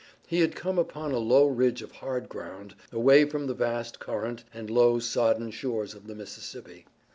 He had come upon a low ridge of hard ground, away from the vast current and low, sodden shores of the Mississippi.